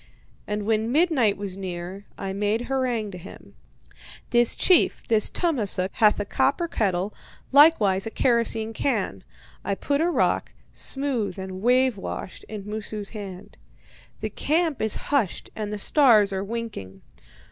And when midnight was near I made harangue to him. "'This chief, this Tummasook, hath a copper kettle, likewise a kerosene can.' I put a rock, smooth and wave washed, in Moosu's hand. 'The camp is hushed and the stars are winking.